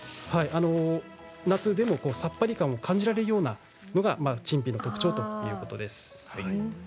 夏でも、さっぱり感を感じられるようなのが陳皮の特徴ということです。